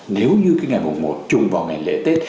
nếu như cái ngày mùa một chung vào ngày lễ tết